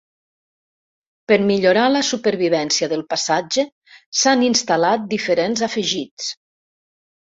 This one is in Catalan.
Per millorar la supervivència del passatge s'han instal·lat diferents afegits.